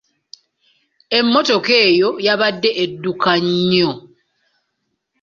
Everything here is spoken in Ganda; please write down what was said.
Emmotoka eyo yabadde edduka nnyo.